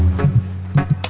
aku punya koya di determinum nya